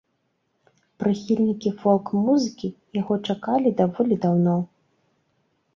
Прыхільнікі фолк-музыкі яго чакалі даволі даўно.